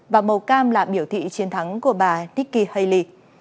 và màu cam là biểu thị chiến thắng của bà nikki haley